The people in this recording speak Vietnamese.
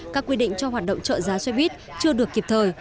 các quy định cho hoạt động trợ giá xe buýt chưa được kịp thời